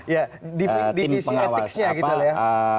ya divisi etiknya gitu loh ya